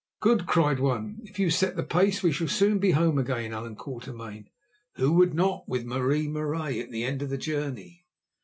"Good!" cried one; "if you set the pace we shall soon be home again, Allan Quatermain. Who would not with Marie Marais at the end of the journey?"